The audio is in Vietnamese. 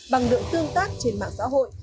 bằng lượng tương tác trên mạng xã hội